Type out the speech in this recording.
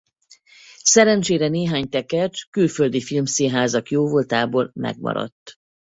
Szerencsére néhány tekercs külföldi filmszínházak jóvoltából megmaradt.